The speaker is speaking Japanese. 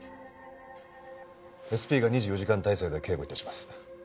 ＳＰが２４時間態勢で警護致します。